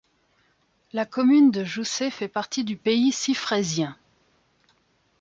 La commune de Joussé fait partie du pays civraisien.